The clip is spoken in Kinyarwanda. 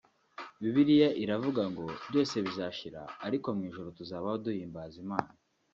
Bibliya iravuga ngo “byose bizashira ariko mu ijuru tuzabaho duhimbaza Imana